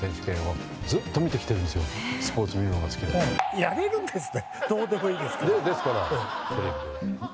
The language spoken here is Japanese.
やれるんですね？